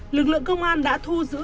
lực lượng công an đã thu giữ